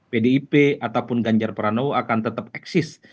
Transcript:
pdip ataupun ganjar pranowo akan tetap eksis